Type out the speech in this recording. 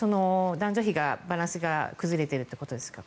男女比のバランスが崩れているということですか？